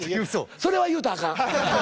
それは言うたあかん。